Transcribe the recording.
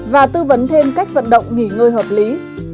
và tư vấn thêm cách vận động nghỉ ngơi hợp lý